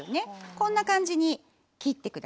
こんな感じに切って下さい。